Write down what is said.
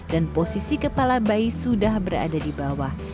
dan posisi kepala bayi sudah berada di bawah